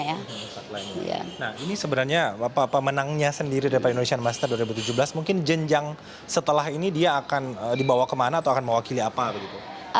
nah ini sebenarnya pemenangnya sendiri daripada indonesian masters dua ribu tujuh belas mungkin jenjang setelah ini dia akan dibawa kemana atau akan mewakili apa begitu